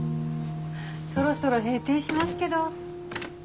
そろそろ閉店しますけど。